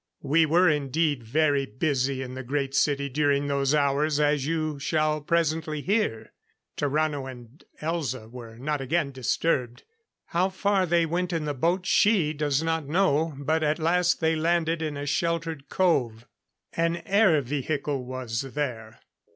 We were indeed very busy in the Great City during those hours, as you shall presently hear. Tarrano and Elza were not again disturbed. How far they went in the boat she does not know, but at last they landed in a sheltered cove. An air vehicle was there.